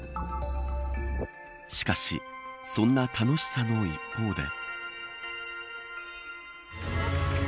しかし、そんな楽しさの一方で。